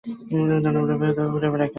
দানবরাও বেহুদা ঘুরে ফিরে বেড়ায়?